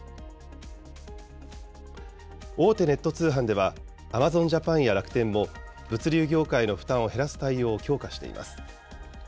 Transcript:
大手ネット通販では、アマゾンジャパンや楽天も物流業界の負担を減らす対応を強化しています。